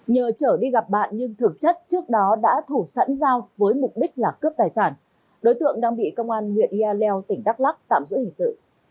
nhờ trở đi gặp bạn nhưng thực chất trước đó đã thủ sẵn rau với mục đích là cướp tài sản đối tượng đang bị công an huyện yaleo tỉnh đắk lắc tạm giữ hình sự